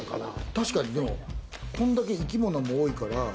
確かに、こんだけ生き物も多いから。